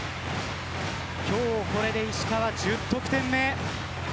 今日これで石川１０得点目。